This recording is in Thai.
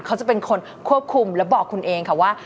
เขาจะเป็นคนควบคุมและบอกคุณเองค่ะว่า